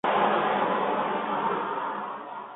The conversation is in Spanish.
Hierba anual.